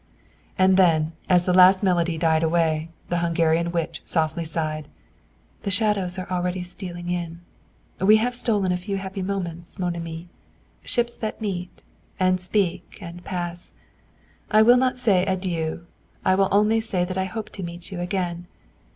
And then, as the last melody died away, the Hungarian witch softly sighed, "The shadows are already stealing in! We have stolen a few happy moments, mon ami. Ships that meet, and speak, and pass. I will not say Adieu! I will only say that I hope to meet you again.